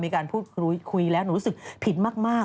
หนูคุยแล้วหนูรู้สึกผิดมาก